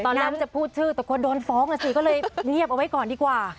มันจะพูดชื่อแต่คนโดนฟ้องอ่ะสิก็เลยเงียบเอาไว้ก่อนดีกว่า